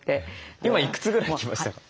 今いくつぐらい来ました？